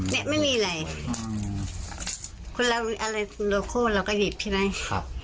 เนี่ยไม่มีอะไรคุณแล้วอะไรโคลนเราก็หยิบใช่ไหม